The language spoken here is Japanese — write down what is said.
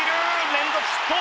連続ヒット！